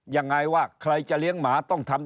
ยังไงว่าใครจะเลี้ยงหมาต้องทำ